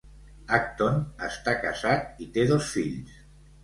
Acton està casat i té dos fills.